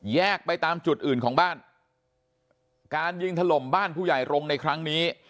ไปตามจุดอื่นของบ้านการยิงถล่มบ้านผู้ใหญ่รงค์ในครั้งนี้